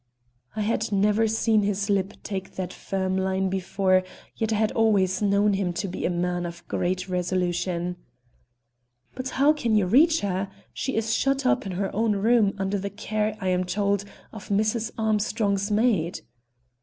I had never seen his lip take that firm line before, yet I had always known him to be a man of great resolution. "But how can you reach her? She is shut up in her own room, under the care, I am told, of Mrs. Armstrong's maid."